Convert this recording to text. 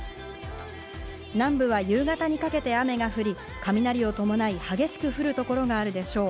南部は夕方にかけて雨が降り、雷を伴い激しく降る所があるでしょう。